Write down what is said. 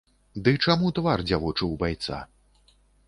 Ды чаму твар дзявочы ў байца?